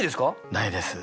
ないです。